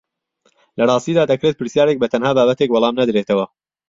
لە ڕاستیدا دەکرێت پرسیارێک بە تەنها بابەتێک وەڵام نەدرێتەوە